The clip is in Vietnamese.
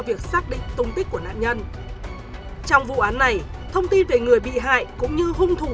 việc xác định tung tích của nạn nhân trong vụ án này thông tin về người bị hại cũng như hung thủ